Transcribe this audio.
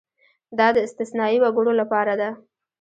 دا د استثنايي وګړو لپاره ده.